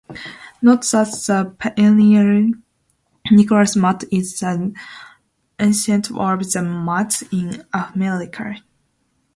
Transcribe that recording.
Note that the pioneer Nicolas Matte is the ancestor of the Mattes in America.